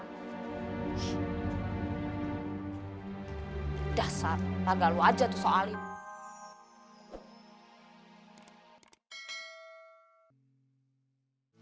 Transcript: udah san laga lu aja tuh soalnya